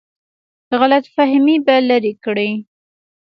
غلط فهمۍ به لرې کړي.